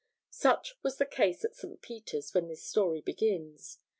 Such was the case at St. Peter's when this story begins.